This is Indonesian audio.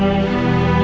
jangan bawa dia